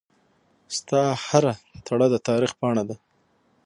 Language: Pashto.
ستا هره تړه دتاریخ پاڼه ده